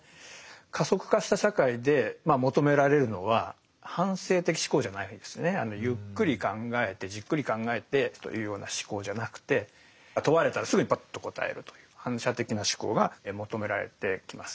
加速化した社会で求められるのは反省的思考じゃないんですねゆっくり考えてじっくり考えてというような思考じゃなくて問われたらすぐにバッと答えるという反射的な思考が求められてきます。